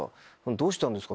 「どうしたんですか？」